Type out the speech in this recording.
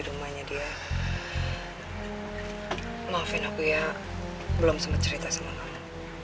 rumahnya dia maafin aku ya belum sempat cerita sama kamu